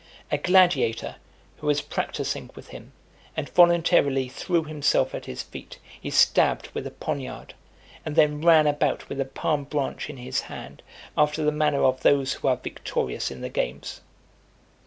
A gladiator who was practising with him, and voluntarily threw himself at his feet, he stabbed with a poniard, and then ran about with a palm branch in his hand, after the manner of those who are victorious in the games.